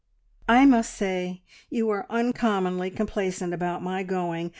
"I must say you are uncommonly complacent about my going!